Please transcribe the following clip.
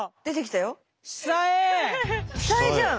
久恵じゃん！